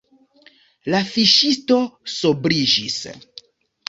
La fiŝisto sobriĝis.